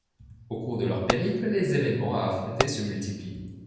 Au cours de leur périple, les événements à affronter se multiplient.